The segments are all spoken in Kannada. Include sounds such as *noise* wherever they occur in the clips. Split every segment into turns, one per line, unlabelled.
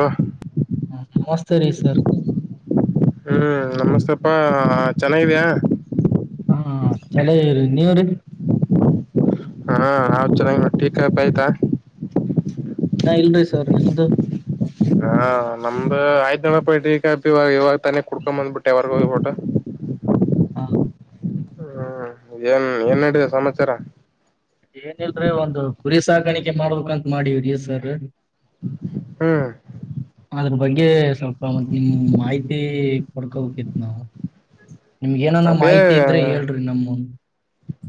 ಹಾಂ
ಹ್ಮ ನಮಸ್ತೆ ರೀ ಸರ್
ಹ್ಮ್ ನಮಸ್ತಪ್ಪಾ ಚೆನ್ನಾಗಿದ್ಯಾ
ಹಾ ಚಲಿ ನೀವ
ಹಾ ನಾ್ ಚೆನ್ನಾಗಿ ಟೀಪ್ಪ ಆಯ್ತಾ
ಹಾ ಇಲ್ರಿ ಸರ್ ನಿಮ್ದು
ಹಾ ನಮ್ದ್ ಆಯ್ತು ದನಪ ಈಗವಾಗ ಇವಾಗ ತಾನೇ ಕುಡ್ಕೊಂಡ್ ಬಂದ್ಬಿಟ್ಟೆ ಯರ್ಗೋಗಿ ಊಟ
ಹಾ
ಹ್ಮ್ ಏನ್ ಏನ್ ನಡಿದೆ ಸಮಾಚಾರ
ಏನಲ್ರೀ ಒಂದು ಕುರಿ ಸಾಕಾಣಿಕೆ ಮಾಡ್ಬೇಕಂತ ಮಾಡೀವ್ರ ಸರ್
ಹ್ಮ್
ಅದ್ರ ಬಗ್ಗೆ ಸ್ವಲ್ಪ ಮ ನಿಮ್ ಮಾಹಿತಿ ಕೊಡ್ಕೋಬೇಕಿತ್ತು ನಾವು ನಿಮ್ಗ ಏನಾನ
ಅದೇ
ಮಾಹಿತಿ ಇದ್ರೆ ಹೇಳ್ರಿ ನಮ್ಮನ್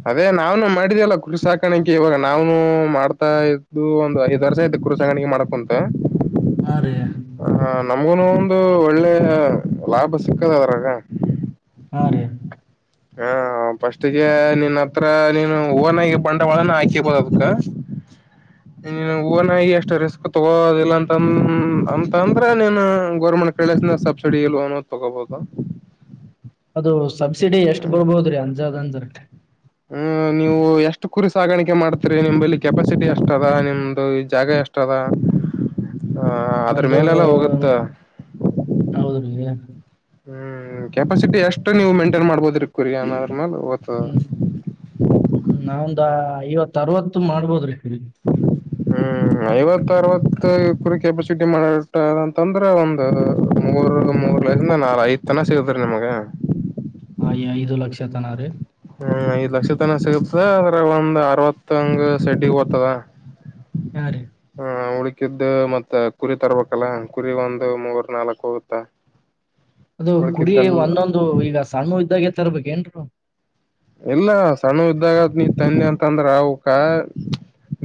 ಅದೇ ನಾವ್ನು ಮಾಡಿದ್ಯಲ್ಲ ಕೃಷಿ ಸಾಕಾಣಕಿ ಇವಾಗ ನಾವ್ನು ಮಾಡ್ತಾ ಇದ್ದು ಒಂದು್ ಐದು ವರ್ಷ ಇದ ಕುರು ಸಂಗಣಿಗೆ ಮಾಡಕುಂತ
ಆ ರೀ
ಹ ನಮ್ಗುನು ಒಂದು ಒಳ್ಳೆ ಲಾಭ ಸಿಕ್ಕದ ಅದ್ರಾಗ
ಹಾ ರೀ
ಹಾ ಪಫಸ್ಟಗೆ ನಿನ್ ಹತ್ರ ನೀನು ಓನಾಗಿ ಬಂಡವಾಳನ ಹಾಕಿಬೋದು ಅದ್ಕ್ಕ
*unintelligible*
ಓನಾಗಿ ಎಷ್ಟು ರಿಸ್ಕ್ ತಗೋದಿಲ್ಲ ಅಂತ ಅಂತ ಅಂದ್ರ ನೀನು ಗೋರ್ಮೆಂಟ್ ಸಬ್ಸಿಡಿ ಲೋನು ತೊಗೋಬಹುದು
ಅದು ಸಬ್ಸಿಡಿ ಎಷ್ಟ್ ಬರ್ಬಹದ್ರೀ ಅಂದ ಆದ್ರ
ಹ್ಮ್ ನೀವು ಎಷ್ಟು ಕುರಿ ಸಾಣಿಕೆ ಮಾಡ್ತೀರಿ ನಿಮಲ್ಲಿ ಕೆಪಾಸಿಟಿ ಎಷ್ಟ ಅದ ನಿಮ್ದು ಜಾಗ ಎಷ್ಟ ದ ಅದ್ರ
ಒಂದು
ಮೇಲೆಲ್ಲ ಹೋಗುತ್ತ
ಹೌದ್ರಿ
ಹ್ಮ್ ಕೆಪಾಸಿಟಿಷ್ಟು ನೀವು ಎಷ್ಟು ಮೈಂಟೈನ್ ಮಾಡ್ಬೋದ್ರಿ ಕುರಿ ಅನ್ನೋದ್ರ ಮೇಲೆ ಹೋಗ್ತದ
ಹ್ಮ್ ನಾವಂದ ಐವತ್ತ ಅರ್ವತ್ತು ಮಾಡ್ಬೋದ್ರಿ
ಹ್ಮ್ ಐವತ್ತ ಅರವತ್ತು ಕುರಿ ಕೆಪಾಸಿಟಿ ಮಾಡಿಟದ ಅಂತಂದ್ರೆ ಒಂದು ಮೂರ್ ಮೂರ್ ಲೈ ನಾ ಐ ತನ ಸಿಗತ್ ರೀ ನಿಮ್ಗೆ
ಆ ಐದು ಲಕ್ಷ ತನ ರಿ
ಹ್ಮ್ ಐದ್ ಲಕ್ಷ ತನ ಸಿಗತದ ಅದ್ರ ಒಂದ್ ಅರವತ್ತ ಹಂಗ ಸೆಡ್ಗೆ ಬ್ತದ
*unintelligible* ಯಾ ರೀ
ಹ ಉಳಕಿದ್ದ ಮತ್ ಕುರಿ ತರ್ಬೇಕಲ್ಲ ಕುರಿ ಒಂದು ಮೂರ್ ನಾಲ್ಕಕ್ ಹೋಗುತ್ತ
ಅದು ಕುಡಿ
ಉಳಕಿದ್ದೆಲ್ಲ
ಒಂದೊಂದು ಈಗ ಸಣ್ಣ ಇದ್ದಾಗೆ ತರ್ಬೇಕ ಏನ್ರು
ಇಲ್ಲ ಸಣ್ಣ ಇದ್ದಾಗತ್ ನೀ ತಂದೆ ಅಂತಂದ್ರ ಅವವುಕ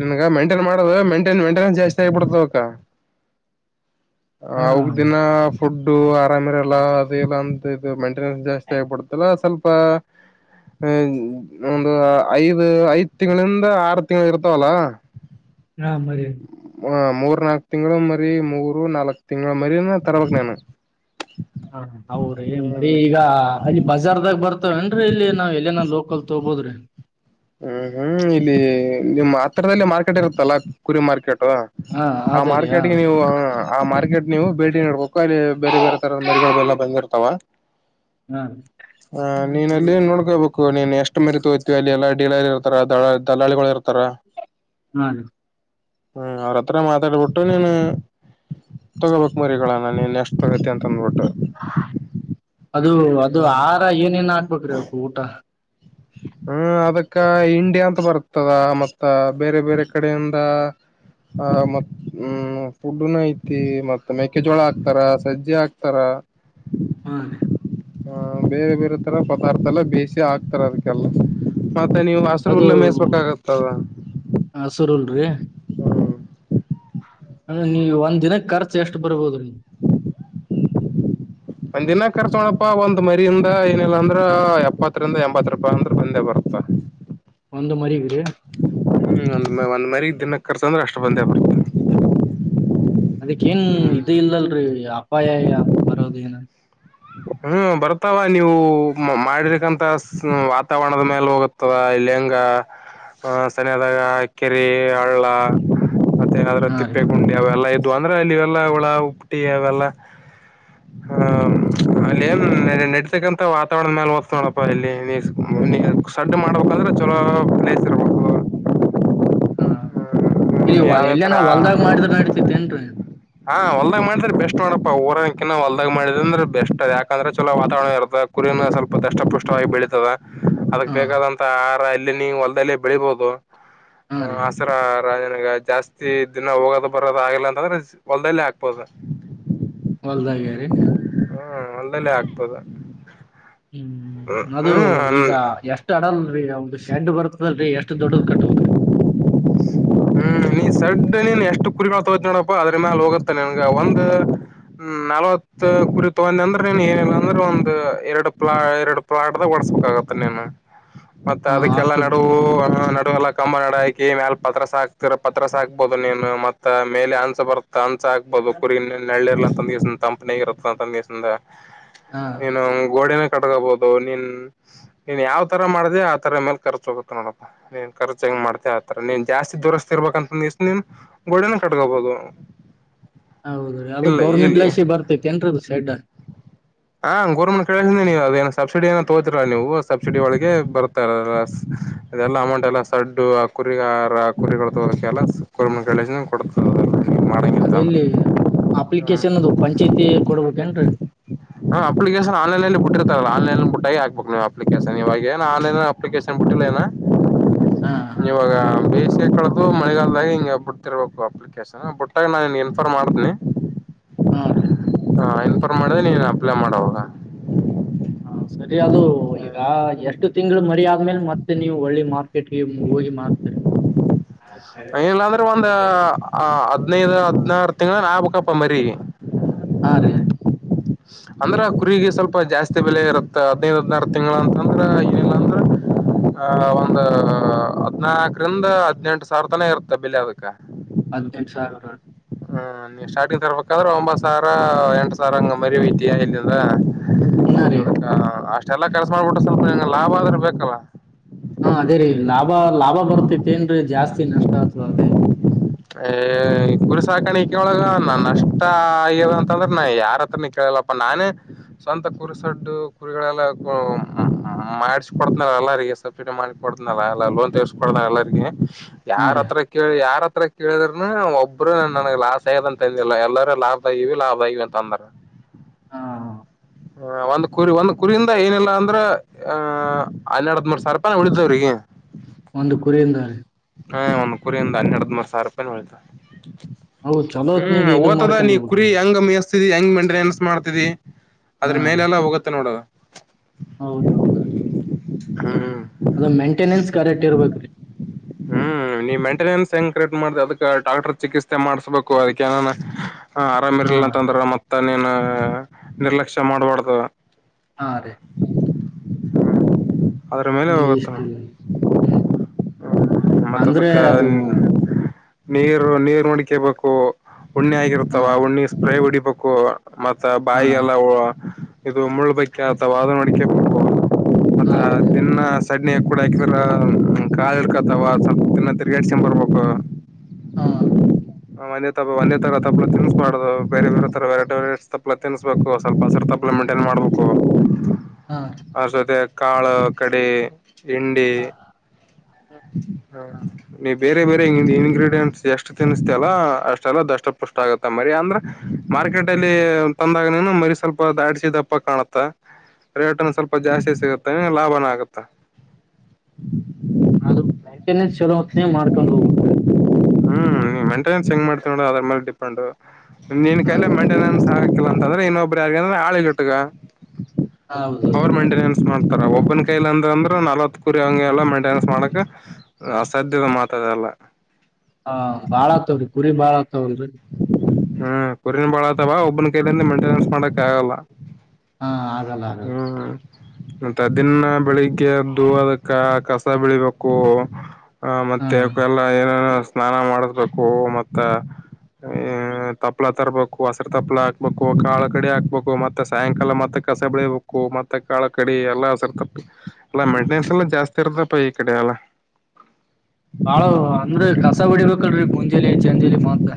ನನ್ಗ ಮೈಂಟೈನ್ ಮಾಡುದು ಮೈನ್ಟೈನ್ಮೆಂಟ್ ಜಾಸ್ತಿ ಆಗಿಬಿಡ್ತವ ಅಕ್ಕ
*unintelligible* ಹಾ
ಅವಗ ದಿನ ಫುಡ್ಡು ಆರಾಮರ ಎಲ್ಲ ಅದೆಲ್ಲ ಇದು ಮೈಂಟೆನೆನ್ಸ್ ಜಾಸ್ತಿ ಆಗ್ಬಿಡುತ್ತಲ್ಲ ಸ್ವಲ್ಪ ಹ ಒಂದು ಐದು ಐದ ತಿಂಗಳಿಂದ ಆರು ತಿಂಗಳ ಇರ್ತಾವಲ್ಲ
ಹಾ ಮರಿ
ಹ ಮೂರ್ ನಾಲ್ಕ್ ತಿಂಗಳು ಮರಿ ಮೂರು ನಾಲ್ಕ್ ತಿಂಗಳು ಮರಿನ ತರವಕ್ ನೀನು
ಹಾ ಹೌ ರೀ ಮರೀ ಈಗ ಅಲ್ಲಿ ಬಜಾರ್ದಾಗ ಬರ್ತವೇನ್ರೀ ಇಲ್ಲಿ ನಾವ್ ಎಲ್ಲನ ಲೋಕಲ್ ತಗಬೋದ್ರಿ
ಹ್ಮ್ ಹ್ಮ್ ಇಲ್ಲಿ ನಿಮ್ಮ್ ಹತ್ತರದಲ್ಲಿ ಮಾರ್ಕೆಟ್ ಇರುತ್ತಲ್ಲ ಕುರಿ ಮಾರ್ಕೆಟ
ಹಾ
ಆ
ಅದೇ ರೀ ಹಾ
ಮಾರ್ಕೆಟ್ಗೆ ನೀವು ಹ ಆ ಮಾರ್ಕೆಟ್ ನೀವು ಭೇಟಿ ನಡ್ಬೇಕು ಅಲ್ಲಿ ಬೇರೆ ಬೇರೆ ತರದ ಮರಿಗಳು ಎಲ್ಲ ಬಂದಿರ್ತಾವ
ಹಾ
ಹ ನೀನ್ ಅಲ್ಲಿ ನೋಡ್ಕೋಬೇಕು ನೀನ್ ಎಷ್ಟು ಮರಿ ತಗೋತೀವಿ ಅಲ್ಲಿ ಎಲ್ಲಾ ಡಲಲ್ಲಿ ಇರ್ತಾರ ದ ದಲಾಳಿಗಳು ಇರ್ತಾರ
ಹಾ ರ
ಹ್ಮ್ ಅವ್ರತ್ರ ಮಾತಾಡ್ಬಿಟ್ಟು ನೀನು ತಗೋಬೇಕಕ್ ಮರಿಗಳ ನಾನ ಇನ್ ಎಷ್ಟು ತಗತಿ ಅಂತ ಅಂದ್ಬಿಟ್ಟು
ಅದು ಅದು
ಹ್ಮ್
ಆಹಾರ ಏನೇಏನ್ ಹಾಕ್ಬೇಕ್ರೀ ಅಕ ಊಟ
ಹ್ಮ ಅದಕ್ಕ ಹಿಂಡಿ ಅಂತ ಬರ್ತದ ಮತ್ತ ಬೇರೆ ಬೇರೆ ಕಡೆಯಿಂದ ಆ ಮತ್ ಹ್ಮ್ ಫುಡ್ನ ಐತಿ ಮತ್ತ್ ಮೆೇಕೆಜೋಳ ಹಾಕ್ತಾರ ಸಜ್ಜಿ ಹಾಕ್ತಾರ
ಹದ
ಹ ಬೇರೆ ಬೇರೆ ತರ ಪದಾರ್ಥ ಎಲ್ಲ ಬೇಸ ಹಾಕ್ತಾರ ಅದಕ್ಕೆಲ್ಲ ಮತ್ತೆ ನೀವು ಹಸರು ಉುಲ್ಲೆ ಮೇಯಸ್ಬೇಕಾಗತ್ತದ
ಹಾಂ ಸುರಲ್ ರೀ
ಹ್ಮ್
ಅಂದ್ರೆ ನೀವು ಒಂದ ದಿನ ಖರ್ಚು ಎಷ್ಟು ಬರ್ಬೋದ್ರೀ *inaudible*
ಒಂದ್ ದಿನ ರ್ಚಕೋಣಪ್ಪಾ ಒಂದ್ ಮರಿಯಿಂದ ಏನಿಲ್ಲಾಂದ್ರ ಎಪ್ಪತ್ತರಿಂದ ಎಂಬತ್ ರೂಪಾಯಿ ಅಂದ್ರ ಬಂದೇ ಬರ್ತ
ಒಂದು್ ಮರಿಗ್ರೀ
ಹ್ಮ್ ಒಂದ ಒಂದ್ ಮರಿ ದಿನಕ್ಕೆ ಖರ್ಚ ಅಂದ್ರೆ ಅಷ್ಟು ಬಂದೇ ಬರ್ತ
ಅದಕ್ಕ ಏನ್ ಇ ಇಲ್ಲಲ್ರರಿ ಅಪಾಯ ಬರೋದ ಏನ
ಹ್ಮ್ ಬರ್ತಾವ ನೀವು ಮಾಡಿರ್ಕಂತ ವಾತಾವರಣದ ಮೇಲೆ ಹೋಗುತ್ತ ಅಥವಾ ಲೆಂಗ ಆ ಸರಿಯಾದಾಗ ಕೆರೆ ಹಳ್ಳ ಮತ್ತ ಅದ್ರ
ಹಾ ರೀ
ತಿಪ್ಪೆ
ಹ
ಗುಂಡಿ ಅವೆಲ್ಲ ಇದ್ವು ಅಂದ್ರೆ ಅಲ್ಲಿವೆಲ್ಲ ಹುಳ ಉಪ್ಪಟ್ಟಿ ಅವೆಲ್ಲ ಹ *inaudible* ನೆಡತಕ್ಕಂತ ವಾತಾವರಣದ ಮೇಲೆ ಓದ್ತ ನೋಡಪ್ಪ ಇಲ್ಲಿ ಸಡ್ ಮಾಡ್ಬೇಕಂದ್ರೆ ಚಲೋ ಪ್ ಸ್ರ
ಹಾಂ ಇಲ್ಲಿ
ಯಾವ್ದೇ
ಎಲ್ಲೇ ನಾ ಹೊಲದಾಗ
ತರ
ಮಾಡಿದ್ರೆ ನಡ್ತಿತ್ತೇನ್ ರೀ ನೀ
ಹಾ ಹೊಲ್ದಾಗ್ ಮಾಡಿದ್ರೆ ಬೆಸ್ಟ್ ಮಾಡಪ್ಪ ಊರನಕಿಾ ಹೊಲ್ದಾಗ್ ಮಾಡಿದ ಅಂದ್ರೆ ಬೆಸ್ಟ್ ಅ ಯಾಕಂದ್ರೆ ಚಲ ವಾತಾವರಣ ಇರದ ಕುರಿ ಸ್ವಲ್ಪ ದಷ್ಟಪು್ವಾಗಿ ಬೆಳಿತತದ ಅದಕ್
ಹಾ
ಬೇಕಾದಂತ ಆಹಾರ ಇಲ್ಲಿ ನೀ ಹೊಲದಲ್ಲ ಬೆಳಿಬೋುದು
ಹಾ ರೀ
ರ ರಾಜನಗ ಜಾಸ್ತಿ ದಿನ ಹೋಗೋದು ಬರೋದ ಆಗಿಲ್ಲ ಅಂತಂದ್ರೆ ಹೊಲ್ದಲ್ಲೇ ಹಾಕ್ಬೋದು
ಹೊಲ್ದಾಗ್ಯ ರೀ
ಹ್ಮ ಅಲ್ಲಲ್ಲೇ ಆಗ್ತದ
ಹ್ಮ್ ಅದು ಈಗ ಎಷ್ಟ ಎ ಅಡಲ್ರರಿ ಅವ್ದ ಶ್ಯಾಂಡ್ ಬರ್ತದಲ್ರಿ ಎಷ್ಟ್ ದೊಡ್ಡದ ಕಟ್ಬದ್ರಿ
ಹ್ಮ್ ನೀ ಸಡ್ ನೀನ್ ಎಷ್ಟು ಕುರಿಗಳು ತಗೋತ ನೋಡಪ್ಪಾ ಅದ್ರ ಮ್ಯಾಲ ಹೋಗತ್ತೆ ನನ್ಗ ಒಂದ್ ಹ್ಮ ನಲ್ವತ್ ಕುರಿ ತಗೊಂಡ ಅಂದ್ರ ನೀನ್ ಏನಿಲ್ಲ ಅಂದ್ರೆ ಒಂದ ಎರಡು ಪ್ಲಾ ಎರಡು ಪ್ರಾರ್ಡ್ದ ಓಿಸಸ್ಬೇಕಾಗತ್ತೆ ನೀನು ಮತ್ತತ್
ಹಾ
ಅದಕ್ಕೆಲ್ಲಾ
ಅಷ್ಟು
ನಡುವ ನಡುವ ಎಲ್ಲ ಕಂಬ ನಡು ಹಾಕಿ ಮ್ಯಲ್ ಪಾತ್ರ ಸಾಕ್ ರ ಪತ್ರ ಸಾಕ್ಬಹುದು ನೀನು ಮತ್ತ ಮೇಲೆ ಅನ್ಸ ಬರುತ್ತ ಅನ್ಸ ಹಾಕ್ಬಹುದು ಕುರಿ ನೆಳ್ಳಿರ್ಲ ಒಂದ ದಿವಸ ತಂಪನಗ ಇರುತ್ತಂತಂದ ದಿವಸದಿಂದ
ಹಾ
ನೀನು ಗೋಡೆನ ಕಡ್ಗೋಬಹುದು ನೀನ್ ನೀನ್ ಯಾವ ತರ ಮಾಡ್ದ ಆ ತರ ಮೇಲೆ ಖರ್ಚ ಹೋಗುತ್ತೆ ನೋಡಪ್ಪಾ ನೀನ್ ಖರ್ಚಾಗ ಮಾಡ್ತೆ ಆತರ ನೀನ್ ಜಾಸ್ತಿ ದೂರಸ್ತಿ ಇರ್ಬೇಕಕ್ ಅಂತಂದಿಸ್ ನೀನ್ ಗೋಡನ ಸಟ್ಕೋಬಹುದು
ಹೌದ ರೀ ಅದದು ಗೌರ್ ಟ್
ಇಲ್ಲಿ
ಲೈಸಿ ಬರ್ತೈತೆ ನ್ರ ಅದು ಸೈಡ್
ಹಾ ಗೋರ್ಮೆಂಟ್ ಕಿ ನೀವು ಅದೇನ ಸಬ್ಸಿಡಿ ಏನ ತೋದರ ನೀವು ಸಬ್ಸಿಡಿ ಒಳಗೆ ಬರ್ತ ಇದೆಲ್ಲ ಅಮೌಂಟ್ ಎಲ್ಲ ಸಡ್ಡು ಆ ಕುರಿಗಾರ ಆ ಕುರಿಗಳು ತೋ ಕೆ ಎಲ ಒ ಮಣ ಕಳ ಕೊಡ್ತ ಮಾಡ
ಅದೆಲ್ಲಿ ಅಪ್ಲಿಕೇಶನ್ ಅದು ಪಂಚಾಯ್ತಿ ಕೊಡ್ಬೇಕೇನ್ರೀ
ಹ ಅಪ್ಲಿಕೇಶನ್ ಆನ್ಲೈನ್ಲ್ಲಿ ಬಿಟ್ಟಿರ್ತಾರಲ್ಲ ಆನ್ ನ್ ಮು ಬಿಟ್ಟಾಗಿ ಹಕ್ಬೇಕ ನೀವು ಅಪ್ಲಿಕೇಶನ್ ಇವಾಗ ಏನ್ ಆನ್ ನ್ ಅಪ್ಲಿಕೇಶನ್ ಪುಟ್ಟಲೇನಾ
ಹಾ
ಇವಾಗ ಬೇಸಿಗೆ ಕಳೆ್ದದು ಮಳೆಗಾಲದಾಗ ಹಿಂಗ ಬಿಡ್ತಿರ್ಬೇಕು ಅಪ್ಪ ಬಿಟ್ಟಾಗ ನಾನು ಇನ್ಫಾರ್ಮ್ ಮಾಡ್ತೀನಿ
ಹಾ ಸರಿ
ಹಾ ಇನ್ಫಾರ್ಮ್ ಮಾಡ್ರೆ ನೀನ್ ಅಪ್ಲೈ ಮಾಡೋವಾಗ
ಹಾ ಸರಿ ಅ ಅದು ಈಗ ಎಷ್ಟು ತಿಂಗಳು ಮರಿ ಆದ್ಮೇಲೆ ಮತ್ತೆ ನೀವು ಒಳ್ಳಿ ಮಾರ್ಕೆಟ್ಗೆ ಹೋಗಿ ಮಾರ್ತರಿ *unintelligible*
ಲ್ಲ ಅಂದ್ರೆ ಒಂದ್ ಹದ್ನೈದ ಹದ್ನಾರು ತಿಂಗಗಳನ್ ಆಬೇಕಪ್ಪ ಮರಿ
ಹಾ ರೇ
ಅಂದ್ರ ಕುರಿಗ ಸ್ವಲ್ಪ ಜಾಸ್ತಿ ಬೆಲೆ ಇರತ್ತ ಹದಿನೈದು ಹದ್ನಾರು ತಿಂಗಳ ಅಂತ ಅಂದ್ರ ಏನಿಲ್ಲ ಅಂದ್ರ ಆಹ ಒಂದು ಹದ್ನಾಲ್ಕರಿಂದ ಹದ್ನೆಂಟು ಸಾವಿರ ತನ ಇರುತ್ತೆ ಬೆಲೆ ಅದಕ್ಕೆ
ಹದಿನೆಂದು ಸಾವಿರ
ಹ್ಮ ನೀವ್ ಸ್ಟಾರ್ಟಿಂಗ್ ತರ್ಬೇಕಾದ್ರೆ ಒಂಬತ್ ಸಾವಿರ ಎಂಟ ಸಾವಿರ ಹಂಗ ಮರಿ ಐತಿಯ ಇಲ್ಂದ್ರ
ಹಾ ರೀ
ಅದ ಅಷ್ಟೆಲ್ಲಾ ಕೆಲ್ಸ ಮಾಡ್ಬಿಟ್ಟು ಸ್ವಲ್ಪಂಗೆ ಲಾಭ ಆದ್ರೆ ಬೇಕಲ್ಲ
ಹಾ ಅದೇ ರೀ ಲಾಭ ಲಾಭ ಬರ್ತೇತಿೇಏನ್ ಜಾಸ್ತಿ ನಷ್ಟ ಆಗ್ತದ ಅದೇ
ಏ ಗುರು ಸಾಕಾಣಿ ಕಳಗ ನಾ ನಷ್ಟ ಆಗ್ಯದ ಅಂತಂದ್ರೆ ನ ಯಾರತ್ರನ ಕೇಳಲ್ಲಪ್ಪ ಅ ನಾನು ಸ್ವಂತ ಕುರಿ ಸಡ್ಡು ಕುರಿಗಳೆಲ್ಲ ಮಾಡಡ್ಚ್ ಕೊೊಡ್ತನ ಎಲ್ಲರಿಗೆ ಸಬ್ಸಿಡಿ ಮಾಡ ಕೊೊಡ್ನಲ್ಲ ಎಲ್ಲ ಲೋನ್ ತಸಕೊಡ ಎಲ್ಲರಿಗೆ
ಹಾ
ಯಾರ
ರೀ
ಹತ್ರ ಕೇಳಿ ಯಾರತ್ರ ಕೇಳಿದ್ನು ಒಬ್ಬರುನ್ ನನಗ್ ಲಾಸ್ ಆಗದ ಅಂತ ಅಂದಿಲ್ಲ ಎಲ್ಲರೂ ಲಾಭ್ ಆಗಿವವಿ ಲಾಭ್ಗವಿ ಅಂತ ಅಂದ್ರ
ಹಾ
ಹ ಒಂದ್ ಕುರಿ ಒಂದ್ ಕುರಿಯಿಂದ ಏನಿಲ್ಲಾ ಅಂದ್ರ ಹಹ ಅಲ್ಲಿರಡ್ದ ಮೂೂರ್ ಸಾವಿ ರೂಪಾಯಿ ನ ಉಳಿದವ್ರಿಗೆ
ಒಂದು ಕುರಿಂದಿದ್ದಾರೆ
ಹಾ ಒಂದ್ ಕುರಿಯಿಂದ ಹನ್ನೆರದ ಮೂರು ಸಾವಿರ ರೂಪಾಯಿ ಹೊಿತ
ಅವು ಚಲೋ
ಹ್ಮ್
ಹೊತ್ನ್ಯಾಗ ಇದು
ಓತದ
ಮಾಡ್ಕೊಂಡ್
ನೀ ಕುರಿ
ಹೋಗ್ಬೇಕ್ರಿ
ಅಂಗ ಮಸ್ ಹೆಂಗ್ ಮೇಂಟೆನೆನ್ಸ್ ಮಾಡ್ತಿದಿ ಅದ್ರ ಮೇಲೆಲ್ಲಾ ಹೋಗುತ್ತೆ ನೋಡೋ
ಹೌದೌದು
ಹ್ಮ
ಅದ ಮೈಂಟೆನೆನ್ಸ್ ಕರೆಕ್ಟ್ ಇರ್ಬೇಕಕ್ ರೀ
ಹ್ಮ್ ನೀವ್ ಮೆಂಟೆನೆನ್ಸ್ ಹೆಂಗ ಕ್ರಟ್ ಮಾಡ ಅದಕ್ ಡಾಕ್ಟರ್ ಚಿಕಿತ್ಸೆ ಮಾಡ್ಸ್ಬೇಕು ಅದಕ್ಕೆನ ಆರಾಮ
ಹಾ
ಇರ್ಲಿಲ್ಲ ಅಂತಂದ್ರೆ ಮತ್ತ ನೀನು ನಿರ್ಲಕ್ಷ್ಯ ಮಾಡ್ಬಾರ್ದ
ಹಾಂ ರೀ
ಅದ್ರ ಮೇಲೆ
ಹಿಂಗ
ಹೋಗುತ್ತ
ಇಷ್ಟಿಲ್ಲ ಹ್ಮ್
ನ ಮತ್ತ
ಅಂದ್ರೆ
ಸಕ್ಕ
ಅದು
ನೀರು ನೀರು ನಡಕೇಬೇಕು ಉಣ್ಣೆ
ಹಾ
ಆಗಿರುತ್ತಾವ ಉಣ್ಣಿ ಸ್ಪ್ರೇ ಹಡಿಬೇಕು ಮತ್ತ
ಹಾ
ಬಾಯಿಗೆಲ್ಲ ಇದು ಮುಳ್ಬೇಕ ಅಥವಾದ ನಡಿಕೆ ಬು
ಹ ಅದ
ತಿನ್ನ ಸಡ್ ಕೂಡ ಯಾಕರ ಕಾ ಇರ್ಕತವ ಸ್ವಲ್ಪ ತಿನ್ನ ತಿರ್ಗಾಡ್ಸಕೊಂಡ್ ಬರ್ಬೇಕ *inaudible*
ಹಾ
ಒಂದೇ ತ ಒಂದೇ ತರ ತಲ ತಿನ್ ಸ್ಬಾರ್ದುದು ಬೇರೆ ಬೇರೆ ತರ ವೆರಟಿ ವೆರಟಿ ತಪ್ಲ ತ ತಿನ್ ಸ್ವಲ್ಪ ಹಸರ್ ತಪ್ ಮೆಂಟೈನ್ ಮಾಡ್ಬೇಕು
ಹಾಂ ರ
ಆ ಸತೆ ಕಾಳು ಕಡಿ ಹಿಂಡಿ
ಹಾ ಹ್ಮ್.
ಹೌ ನೀ ಬೇರೆ ಬೇರೆ ಇನ್ಡಿಯೆಂಟ್ಸ್ ಎಷ್ಟು ತಿನ್ಸ್ತಲ್ಲ ಅಷ್ಟೆಲ್ಲ ದಷ್ಟ ಪುಷ್ಟ ಆಗತ್ತೆ ಮರಿ ಅಂದ್ರ ಮಾರ್ಕೆಟ್ ಅಲ್ಲಿ ತಂದಾಗ ನೀನು ಮರಿ ಸ್ವಲ್ಪ ದಾಡ್ಸಿದಪ್ಪ ಕಾಣತ್ತ ರೇಟನ್ ಸ್ವಲ್ಪ ಜಾಸ್ತಿ ಸಿಗುತ್ತೆ ಲಾಭನ ಆಗುತ್ತಾ
ಆದ್ರಟ ಚಲೋ ಹೊತ್ತನೇ ಮಾಡ್ಕೊಂಡ್ ಹೋಗದ್ರಿ
ಹ್ಮ್ ಮೆಂಟೆನೆನ್ಸ್ ಹೆಂಗ್ ಮಾಡ್ತವಿ ನೋಡ ಅದ್ರ ಮೇಲೆ ಡಿಪೆಂಡ್ನ್
ಹಾ
ಕೈಿ ಮಂ ಮಂನ್ಸ್ ಆಗಕಿಲ್ಲ ಅಂತಂದ್ರೆ ಇನ್ನೊಬ್ರು ಯಾರಿಗ ಅಂದ್ರೆ ಆಳಿಟ್ಟಗ
ಹೌದೌದು
ಅವರ್ ಮೈಂಟೆನೆನ್ಸ್ ಮಾಡ್ತಾರೆ ಒಬ್ಬನ್ ಕೈಲಿ ಅಂದ್ರಂದ್ರೆ ನಲ್ವತ್ ಕುರಿ ಹಂಗೆಲ್ಲ ಮಂಟೆನೆನ್ಸ್ ಮಾಡಕ್ ಅಸಾಧ್ಯವ ಮಾತದೆಲ್ಲ
ಹ ಬಾಳ ಆತ್ವ್ರಿ ಕುರಿ ಭಾಳತ್ತವಲ್ರರಿ
ಹ್ಮ್ ಕುರಿನ್ ಬಾಳತವಾ ಒಬ್ಬನ ಕೈಲಿಂದ ಮೇಂಟೆನೆನ್ಸ್ ಮಾಡಕ್ ಆಗಲ್ಲ
ಹಾ ಆಗಲ್ಲ ಆಗಲ್ಲ
ಹ್ಮ ಮತ್ತೆ ದಿನ ಬೆಳಿಗ್ಗೆ ಎದ್ದು ಅದಕ್ಕ ಕಸ ಬೆಳಿಬೇಕು ಆ ಮತ್ತೆ
ಹಾ
ಎಲ್ಲ ಏನೇನು ಸ್ನಾನ ಮಾಡಿಸ್ಬೇಕು ಮತ್ತ
ಹ
ತಪ್ಪಳ ತರಬೇಕು ಹಸರು ತಪ್ಪಲ ಹಾಕ್ಬೇಕು ಕಾಳಗಡೆ ಹಾಕ್ಬೇಕು ಮತ್ತೆ ಸಾಯಂಕಾಲ ಮತ್ತೆ ಕಸ ಬೆಳಿಬೇಕು ಕ್ಕು ಮತ್ತೆ ಕಾಳ ಕಡಿ ಎಲ್ಲಾ ಹಸಿರ್ತಪ ಎಲ್ಲಾ ಮೇಂಟೆನೆನ್ಸ್ ಎಲ್ಲ ಜಾಸ್ತಿ ಇರ್ತಪ್ಪ ಈ ಕಡೆ ಎಲ್ಲ
ಬಾಳ ಅಂದ್ರ ಕಸ ಬಿಡಿಬೇಕಲ್ ಮುಂಜಲಿ ಜಂಜಲಿ ಮತ್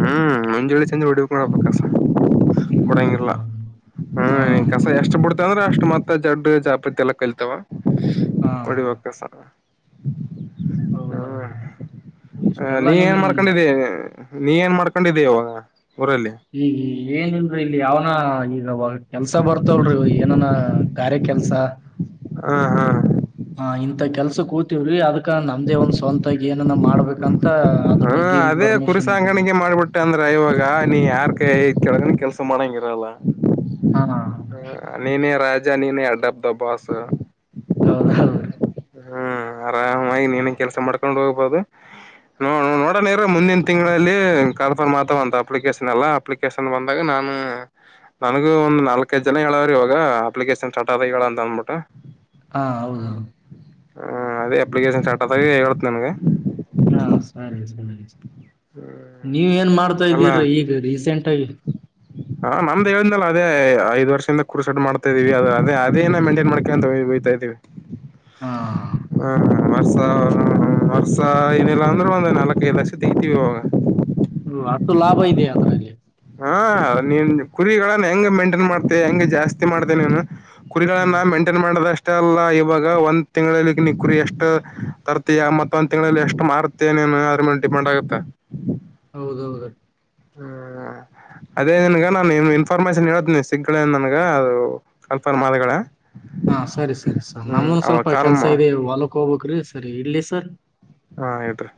ಹ್ಮ್ ಮುಂಜಳೆ ಚಂದ್ರ ಒಡೀಬೇಕು ನೋಡ್ ಕಸ ಬಿಡಂಗಿಲ್ಲ
ಹ
ಹ್ಮ್
ಹ
ನೀನ್ ಕಸ ಎಷ್ಟು
ಹಾಡ
ಬಿಡ್ತ ಅಂದ್ರೆ ಅಷ್ಟು ಮತ್ತ ಜಡ್ಡು ಜಾಪತಿ ಎಲ್ಲ ಕಲ್ ತವ
ಹಾ
ಹೊಡಿಬೇಕಸರ್
ಹೌದೌದು
ಹ
ಇಷ್ಟ
ನೀ ಏನ್ ಮಾಡ್ಕೊಂಡಿದ್ದೀ ನೀ ಏನ್ ಮಾಡ್ಕೊಂಡಿದ್ದೀ ಇವಾಗ ಊರಲ್ಲಿ
ಈಗ ಏನಲ್ರರಿ ಇಲ್ಲಿ ಯಾವನ ಈಗಾಗ ಕೆಲ್ಸ ಬರ್ತವಲ್ರೀ ಏನನ ಗಾರೆ ಕೆಲ್ಸ *unintelligible*
ಹಾ ಹಾ
ಹಾ ಇಂಥ ಕೆಲ್ಸ ಕೂತಿವ್ರಿ ಅದಕ ನಮ್ದೇ ಒಂದ್ ಸ್ವಂತಾಗಿ ಏನನ್ನ ಮಾಡ್ಬೇಕಂತ ಅದ್ರ ಬಗ್ಗೆ ಇನ್ಫಾರ್ಮೇಶನ್ ಇದ್ದಿದೀರಿ
ಟ್ಟ ಅಂದ್ರ ಇವಾಗ ನೀ ಯಾರ್ ಕ ಕೆಳಗನ ಕೆಲ್ಸ ಮಾಡಂಗಿರಲ್ಲ
ಹಾ
ನೀನೆ ರಾಜಜಾ ನೀನ ಅಡ್ಡಬ್ ದ ಬಾಸ್
ಹೌದ್ ಹೌದು ರೀ
ಹ್ಮ್ ಆರಾಮಾಗಿ ನೀನನ್ ಕೆಲ್ಸ ಮಾಡ್ಕೊಂಡ್ ಹೋಗ್ಬಹದು ನೋ ನೋಡಣ ಇರ ಮುಂದಿನ ತಿಂಗಳಲ್ಲಿ ಕಲ್ಫರ್ ಮಾತ ಅಂತ ಅಪ್ಲಿಕೇಶನ್ ಎಲ್ಲಾ ಅಪ್ ಕೆಸನ್ ಬಂದಾಗ ನಾನು ನನಗು ಒಂದು ನಾಲ್ಕೈ ಜನ ಹೇಳಾವ್ರಿವಾಗ ಅಪ್ಲಿಕೇಶನ್ ಸ್ಟಾರ್ಟ್ ಆದಾಗ ಹೇಳ ಅಂತ ಅಂದ್ಬಿಟ್ಟ
ಹಾ ಹೌದುೌದು
ಹ ಅದ ಅಪ್ಲಿಕೇಶಷನ್ ಸ್ಟ್ ಅ್ತದೆಿಡ್ತದೆ ನನಗೆ
ಹಾ ಸರಿ ಸರಿ ನೀವ ಏನ್ ಮಾಡ್ತಾ
ಅಲ್ಲ
ಇದ್ದೀರೀ ಈಗ ರೀಸೆಂಟ್ಗ
ಹಾ ನಮ್ದ್ ಹೇಳ್ದನಲ್ಲ ಅದೇಐದ್ ವರ್ಷಿಂದ ಕ ಕುರ್ ಡ್ ಮಾಡ್ತಾ ಇದೀವಿ ಅದ ಅದೇನ ಮೇಂಟೈನ್ ಮಾಡ್ಕೊಂಡ ಅಂತ ಬಯತ ಇದೀವಿ
ಹಾ
ಹಾ ವರ್ಷ ವರ್ಷ ಏನಿಲ್ಲ ಅಂದ್ರೆ ಒಂದು ನಾಲ್ಕೈದು ಲಕ್ಷ ತಗತಿೀವಿ ಇವಾಗ
ಹ್ಮ ಅಷ್ಟು ಲಾಭ ಇದೆ ಅದರಲ್ಲಿ
ಹಾ ನೀನ್ ಕುರಿಗಳ ಹೆಂಗ ಮೇಂಟೈನ್ ಮಾಡ್ತೆ ಹೆಂಗ ಜಾಸ್ತಿ ಮಾಡ್ತೆೇ ನೀನು ಕುರಿಗಳ
ಹ್ಮ್
ನ ಮೆಂ ಮಾಡದ ಅಷ್ಟೆ ಅಲ್ಲ ಇವಾಗ ಒಂದ್ ತಿಂಗಳಲ್ಲಿ ನಿ ಕುರಿ ಎಷ್ಟು ತರ್ತೀಯ ಮತ್ತ ಒಂದ ತಿಂಗಳಲ್ಲಿ ಎಷ್ಟು ಮಾರ್ತ ಮತ್ತೇನೇನು ಯಾರ ಮೇ ಡಿಪೆ್ ಆಗುತ್ತಾ
ಹೌದೌದು
ಹ್ಮ್ ಅದೇ ನಿನ್ಗ ನಾನನ್ ಇನ್ಫಾರ್ಮೇಶನ್ ಹೇಳ್ತನಿ ಸಿಗ್ಗಳಂದ ನನ್ಗ ಅದು ಕಲ್ಪನ್ ಮಾದಗಳ
ಹಾ ಸರಿ ಸರಿ ಸ
ಹ್ಮ್
ನಮೊಂದ
ಅವಾಗ
ಸ್ವಲ್ಪ
ಕಾಲ್
ಕೆಲ್ಸ
ಮಾ
ಇದೆ ಹೊಲ ಹೋಬಕ್ ಸರಿ ಇಲ್ಲಿ ಸರ್
ಹಾ ಹೇಳತ್ರಿ